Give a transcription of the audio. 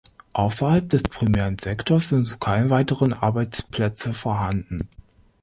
Ausserhalb des primären Sektors sind keine weiteren Arbeitsplätze vorhanden.